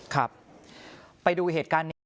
ครับไปดูเหตุการณ์นี้